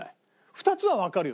２つはわかるよ。